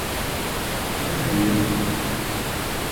¿ella bebió?